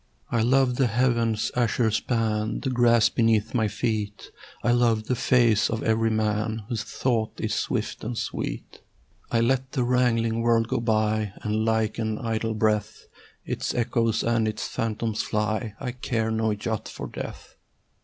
I love the heaven's azure span, The grass beneath my feet: I love the face of every man Whose thought is swift and sweet. I let the wrangling world go by, And like an idle breath Its echoes and its phantoms fly: I care no jot for death.